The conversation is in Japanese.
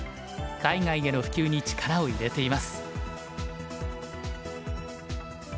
海外への普及に力を入れています。